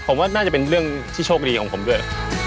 ผมว่าน่าจะเป็นเรื่องที่โชคดีของผมด้วย